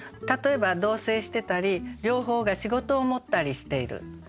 例えば同棲してたり両方が仕事を持ったりしている。